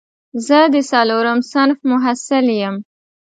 زه د څلورم صنف محصل یم